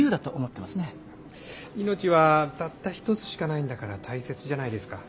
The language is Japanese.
命はたった一つしかないんだから大切じゃないですか。